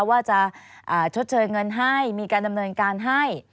ว่าจะชดเชยเงินให้มีการดำเนินการให้